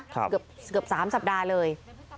เกือบ๓สัปดาห์เลย